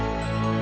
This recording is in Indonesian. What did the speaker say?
mama sudah pulang